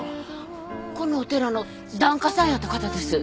このお寺の檀家さんやった方です。